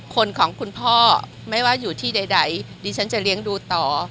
คนของคุณพ่อไม่ว่าอยู่ที่ใดดิฉันจะเลี้ยงดูต่อ